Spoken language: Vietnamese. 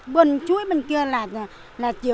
bên chuối bên kia là